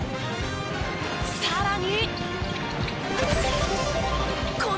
さらに。